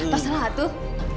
atau salah tuh